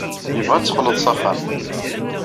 Yebɣa ad d-teqqleḍ s axxam.